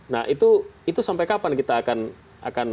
nah itu sampai kapan kita akan